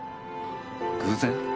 偶然？